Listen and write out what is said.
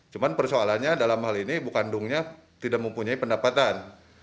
cuma persoalannya dalam hal ini ibu kandungnya tidak mempunyai pendapatan